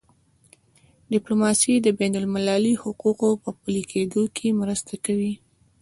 ډیپلوماسي د بینالمللي حقوقو په پلي کېدو کي مرسته کوي.